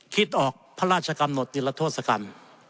คิดออกพระราชกรรมหนดนิรัตโทษกัน